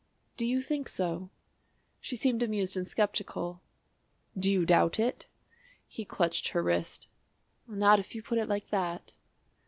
"Do you think so?" She seemed amused and sceptical. "Do you doubt it?" He clutched her wrist. "Not if you put it like that."